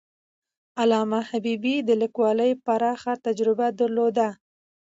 علامه حبيبي د لیکوالۍ پراخه تجربه درلوده.